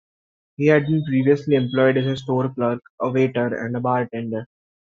He had been previously employed as a store clerk, a waiter, and a bartender.